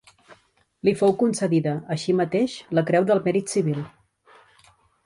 Li fou concedida, així mateix, la Creu del Mèrit Civil.